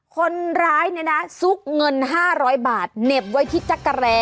คนร้ายเนี่ยนะซุกเงิน๕๐๐บาทเหน็บไว้ที่จักรแร้